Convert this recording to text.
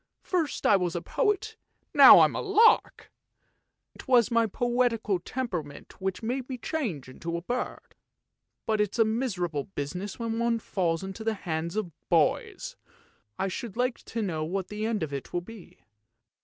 First I was a poet, now I am a lark! It was my poetical temperament which made me change into a bird; but it's a miserable business when one falls into the hands of boys. I should like to know what the end of it will be."